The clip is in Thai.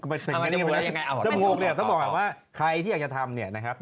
จะบอกไว้ว่าใครที่อยากจะทำเนี่ยนะครับ